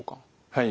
はい。